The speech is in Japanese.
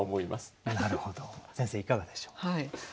なるほど先生いかがでしょう？